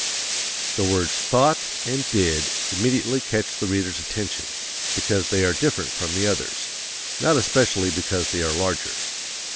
= The words THOUGHT and DID immediately catch the reader's attention because they are different from the others, not especially because they are larger.